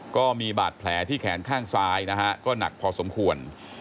ก็มีบาดแผลที่แขนข้างซ้ายนะฮะก็หนักพอสมควร